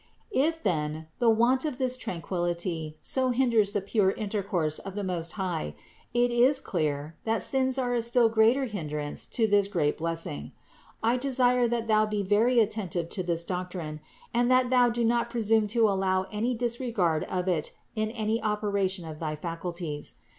406. If then the want of this tranquillity so hinders the pure intercourse of the Most High, it is clear that sins are a still greater hindrance to this great blessing. I desire that thou be very attentive to this doctrine and that thou do not presume to allow any disregard of it in any operation of thy faculties.